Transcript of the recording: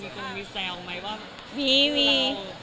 คนมีแซวไหมว่าวีมี